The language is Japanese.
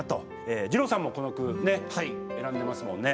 じろうさんもこの句、選んでますもんね。